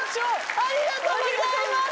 ありがとうございます！